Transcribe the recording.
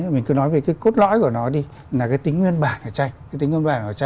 mình cứ nói về cái cốt lõi của nó đi là cái tính nguyên bản của tranh cái tính nguyên bản của